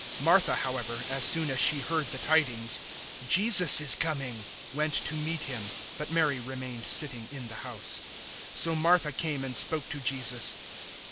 011:020 Martha, however, as soon as she heard the tidings, "Jesus is coming," went to meet Him; but Mary remained sitting in the house. 011:021 So Martha came and spoke to Jesus.